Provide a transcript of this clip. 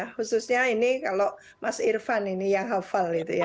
khususnya ini kalau mas irfan ini yang hafal